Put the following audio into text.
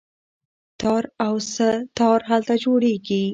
تار او سه تار هلته جوړیږي.